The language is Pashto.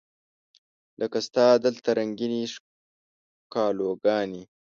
لکه ستا دلته رنګینې ښکالو ګانې